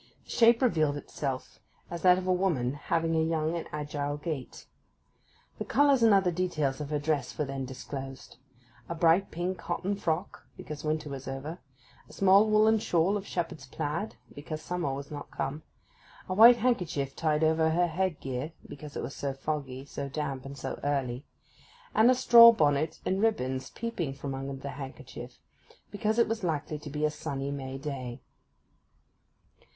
The shape revealed itself as that of a woman having a young and agile gait. The colours and other details of her dress were then disclosed—a bright pink cotton frock (because winter was over); a small woollen shawl of shepherd's plaid (because summer was not come); a white handkerchief tied over her head gear, because it was so foggy, so damp, and so early; and a straw bonnet and ribbons peeping from under the handkerchief, because it was likely to be a sunny May day.